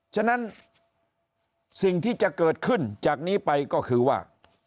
ฉะนั้นสิ่งที่จะเกิดขึ้นจากนี้ไปก็คือว่า